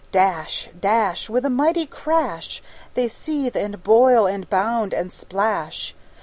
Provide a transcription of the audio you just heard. Dash, dash, With a mighty crash, They seethe, and boil, and bound, and splash.